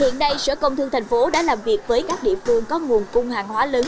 hiện nay sở công thương tp hcm đã làm việc với các địa phương có nguồn cung hàng hóa lớn